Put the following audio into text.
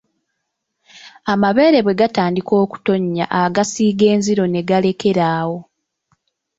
Amabeere bwe gatandika okutonnya agasiiga enziro ne galekera awo.